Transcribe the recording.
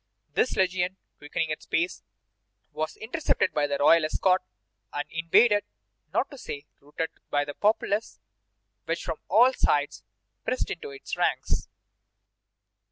This legion, quickening its pace, was intercepted by the royal escort, and invaded, not to say routed, by the populace, which from all sides pressed into its ranks.